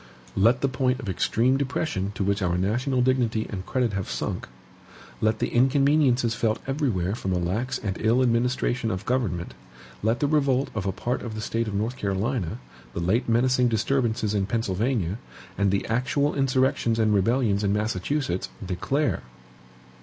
Let the point of extreme depression to which our national dignity and credit have sunk, let the inconveniences felt everywhere from a lax and ill administration of government, let the revolt of a part of the State of North Carolina, the late menacing disturbances in Pennsylvania, and the actual insurrections and rebellions in Massachusetts, declare